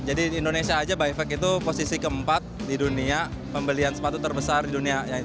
jadi di indonesia aja by fact itu posisi keempat di dunia pembelian sepatu tertinggi